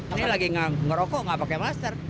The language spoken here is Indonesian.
aku lagi ngerokok nggak pakai masker